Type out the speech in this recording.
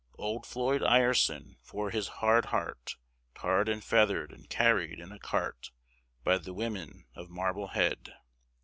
Old Floyd Ireson, for his hard heart, Tarred and feathered and carried in a cart By the women of Marblehead!